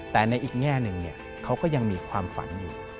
แต่ในอีกแง่หนึ่งเขาก็ยังมีความฝันอยู่